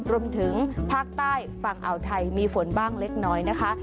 รวมถึงภาคใต้ฝั่งอ่าวไทยมีฝนบ้างเล็กน้อยนะคะ